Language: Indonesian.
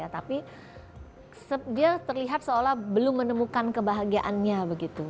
tapi dia terlihat seolah belum menemukan kebahagiaannya begitu